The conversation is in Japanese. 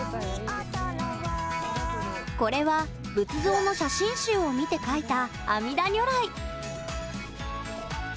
これは仏像の写真集を見て描いた阿弥陀如来。